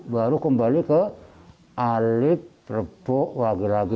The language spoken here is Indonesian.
baru kembali ke alif berboh wage lagi